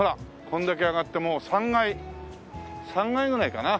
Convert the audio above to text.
これだけ上がってもう３階３階ぐらいかな。